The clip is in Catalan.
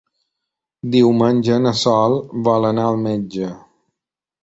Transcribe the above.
Diumenge na Sol vol anar al metge.